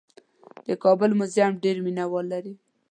د کابل موزیم ډېر مینه وال لري.